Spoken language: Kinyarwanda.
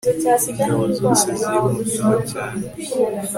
ingabo zose zirumirwa cyane